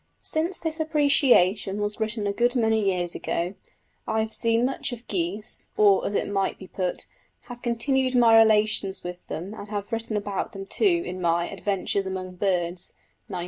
Since this appreciation was written a good many years ago I have seen much of geese, or, as it might be put, have continued my relations with them and have written about them too in my Adventures among Birds (1913).